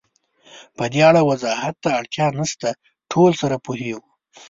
پدې اړه وضاحت ته اړتیا نشته، ټول سره پوهېږو.